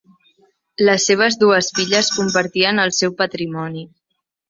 Les seves dues filles compartien el seu patrimoni.